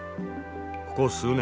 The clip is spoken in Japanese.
ここ数年